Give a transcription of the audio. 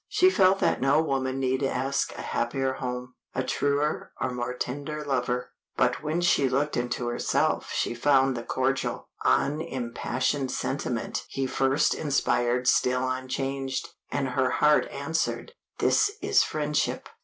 She felt that no woman need ask a happier home, a truer or more tender lover. But when she looked into herself she found the cordial, unimpassioned sentiment he first inspired still unchanged, and her heart answered "This is friendship."